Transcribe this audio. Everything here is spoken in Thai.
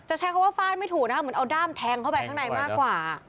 ใช้คำว่าฟาดไม่ถูกนะเหมือนเอาด้ามแทงเข้าไปข้างในมากกว่า